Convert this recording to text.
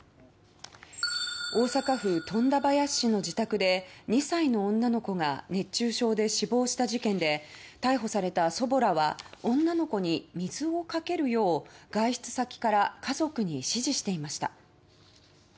大阪府富田林市の自宅で２歳の女の子が熱中症で死亡した事件で逮捕された祖母らは女の子に水をかけるよう外出先から家族に指示していました。